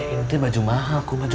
ini baju mahal